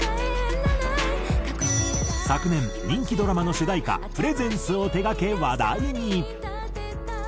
昨年人気ドラマの主題歌『Ｐｒｅｓｅｎｃｅ』を手がけ話題に。